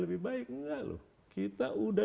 lebih baik enggak loh kita udah